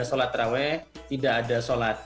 sholat raweh tidak ada sholat